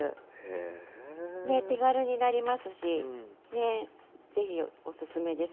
手軽になりますしぜひおすすめです。